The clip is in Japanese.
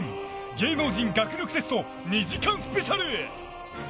芸能人学力テスト２時間スペシャル。